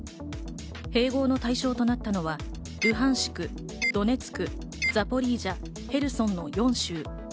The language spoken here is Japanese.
併合の対象となったのは、ルハンシク、ドネツク、ザポリージャ、ヘルソンの４州。